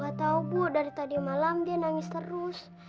nggak tahu bu dari tadi malam dia nangis terus